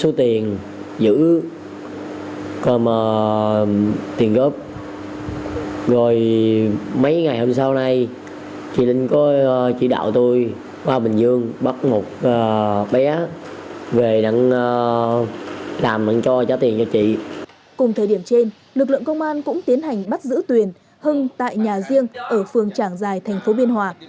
cùng thời điểm trên lực lượng công an cũng tiến hành bắt giữ tuyển hưng tại nhà riêng ở phường trảng giài thành phố biên hòa